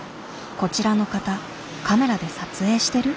こちらの方カメラで撮影してる？